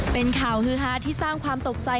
เป็นข่าวฮือฮาที่สร้างความตกใจ